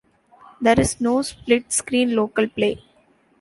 There is no split-screen local play.